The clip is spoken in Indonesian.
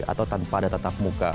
atau tanpa ada tatap muka